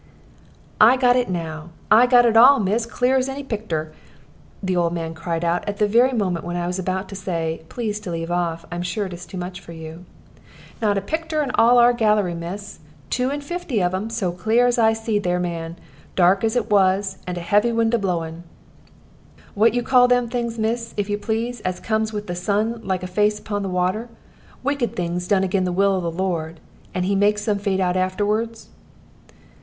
"I got it now; I got it all, miss, clear as any pictur'!" the old man cried out, at the very moment when I was about to say, "Please to leave off; I am sure it is too much for you." "Not a pictur' in all of our gallery, miss, two and fifty of 'em, so clear as I see that there man, dark as it was, and a heavy wind a blowing. What you call them things, miss, if you please, as comes with the sun, like a face upon the water? Wicked things done again the will of the Lord, and He makes them fade out afterwards."